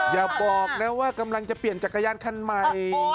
อย่าบอกนะว่ากำลังจะเปลี่ยนจักรยานคันใหม่